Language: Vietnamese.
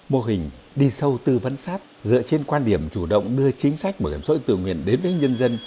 mô hình đi sâu tư vấn sát dựa trên quan điểm chủ động đưa chính sách bảo hiểm xã hội tự nguyện đến với nhân dân